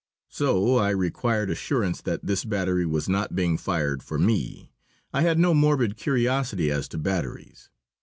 So I required assurance that this battery was not being fired for me. I had no morbid curiosity as to batteries.